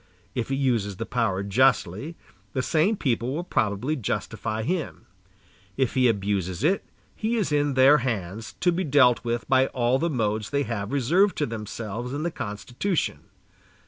If he uses the power justly, the same people will probably justify him; if he abuses it, he is in their hands, to be dealt with by all the modes they have reserved to themselves in the Constitution."